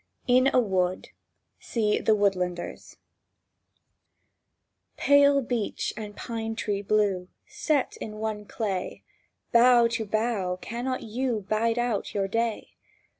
IN A WOOD See "THE WOODLANDERS" PALE beech and pine tree blue, Set in one clay, Bough to bough cannot you Bide out your day?